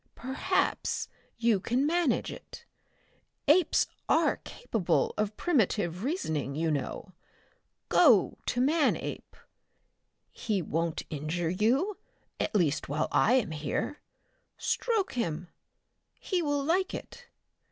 Perhaps you can manage it. Apes are capable of primitive reasoning, you know. Go to Manape. He won't injure you, at least while I am here. Stroke him. He will like it.